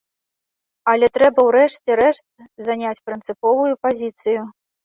Але трэба у рэшце рэшт заняць прынцыповую пазіцыю.